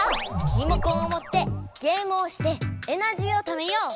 リモコンをもってゲームをしてエナジーをためよう！